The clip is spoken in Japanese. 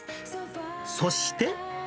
そして。